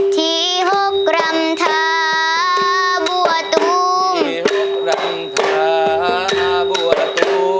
ที่หกรำทาบัวตูม